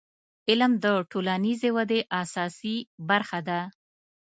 • علم د ټولنیزې ودې اساسي برخه ده.